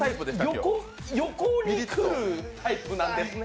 横に来るタイプなんですね。